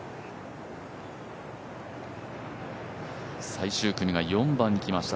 最終組が４番に来ました、